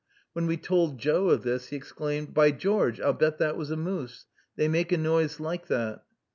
When we told Joe of this, he exclaimed, "By George, I'll bet that was a moose! They make a noise like that."